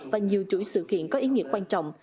và nhiều chuỗi sự kiện có ý nghĩa quan trọng